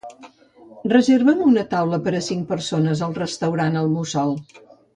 Reserva'm una taula per a cinc persones al restaurant El Mussol.